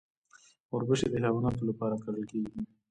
وربشې د حیواناتو لپاره کرل کیږي.